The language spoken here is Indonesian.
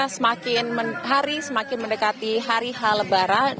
semakin hari semakin mendekati hari h lebaran